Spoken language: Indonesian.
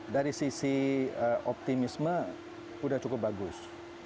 dari sisi optimisme sudah cukup bagus